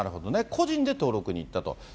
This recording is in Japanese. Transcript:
個人で登録に行ったと。